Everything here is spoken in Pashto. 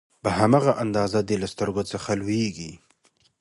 په هماغه اندازه دې له سترګو څخه لوييږي